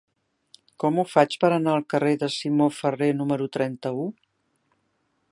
Com ho faig per anar al carrer de Simó Ferrer número trenta-u?